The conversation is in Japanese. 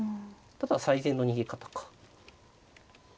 ただ最善の逃げ方か。